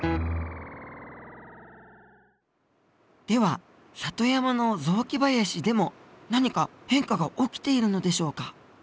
では里山の雑木林でも何か変化が起きているのでしょうか？